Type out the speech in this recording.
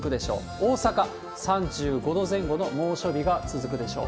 大阪３５度前後の猛暑日が続くでしょう。